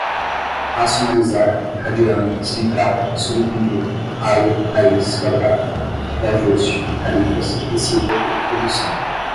Racionalizar, radiano, central, subtendido, raio, raiz quadrada, reajuste, tarifas, recíproco, redução